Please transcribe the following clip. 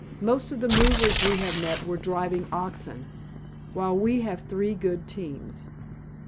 Most of the movers we have met were driving oxen, while we have three good teams."